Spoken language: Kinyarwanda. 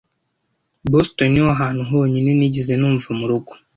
Boston niho hantu honyine nigeze numva murugo .